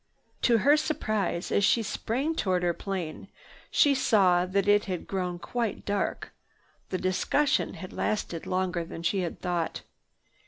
To her surprise, as she sprang toward her plane, she saw that it had grown quite dark. The discussion had lasted longer than she had thought.